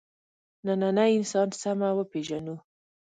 نننی انسان سمه وپېژنو.